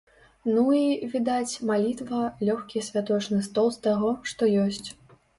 Ну і, відаць, малітва, лёгкі святочны стол з таго, што ёсць.